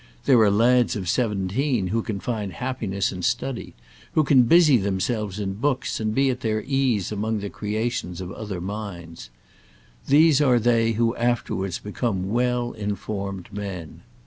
There are lads of seventeen who can find happiness in study, who can busy themselves in books and be at their ease among the creations of other minds. These are they who afterwards become well informed men.